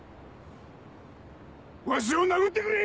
わしを殴ってくれ！